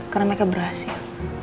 karena mereka berhasil